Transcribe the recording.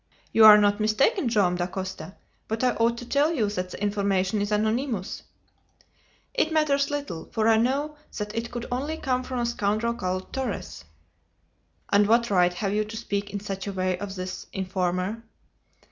"You are not mistaken, Joam Dacosta, but I ought to tell you that the information is anonymous." "It matters little, for I know that it could only come from a scoundrel called Torres." "And what right have you to speak in such a way of this informer?"